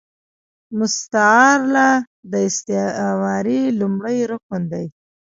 مستعارله د استعارې لومړی رکن دﺉ.